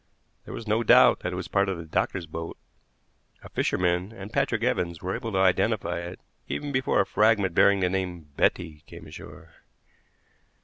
There was no doubt that it was part of the doctor's boat. A fisherman and Patrick Evans were able to identify it even before a fragment bearing the name Betty came ashore.